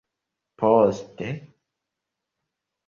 Poste?